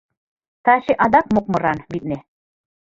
Таче адак мокмыран, витне.